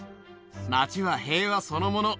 街は平和そのもの。